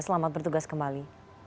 selamat bertugas kembali